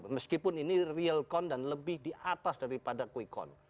meskipun ini realcon dan lebih di atas daripada quickon